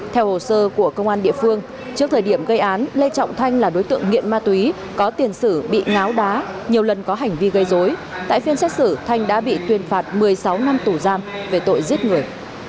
theo hồ sơ của công an địa phương trước thời điểm gây án lê trọng thanh là đối tượng nghiện ma túy có tiền sử bị ngáo đá nhiều lần có hành vi gây dối tại phiên xét xử thanh đã bị tuyên phạt một mươi sáu năm tù giam về tội giết người